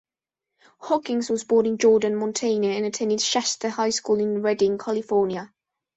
Hawkins was born in Jordan, Montana and attended Shasta High School in Redding, California.